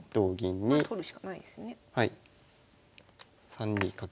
３二角。